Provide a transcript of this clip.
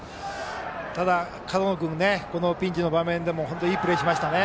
ただ、門野君はこのピンチの場面でも本当に、いいプレーしましたね。